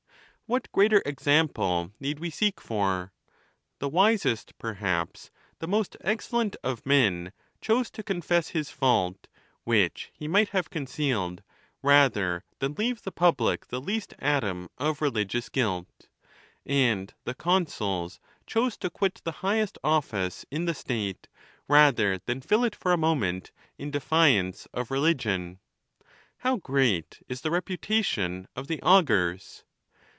What greater example need we seek for? The wisest, perhaps the most excellent of men, chose to confess his fault, which he might have concealed, rather than leave the public the least atom of religions guilt; and the con suls chose to quit the highest office in the State, rather than fill it for a moment in defiance of religion. How great is the reputation of the augurs